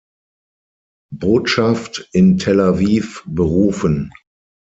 Botschaft in Tel Aviv berufen.